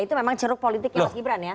itu memang ceruk politiknya mas gibran ya